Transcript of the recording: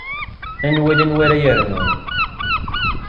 Ad nwali anwa ara yernun.